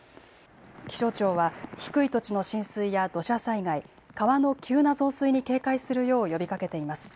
気象庁は低い土地の浸水や土砂災害、川の急な増水に警戒するよう呼びかけています。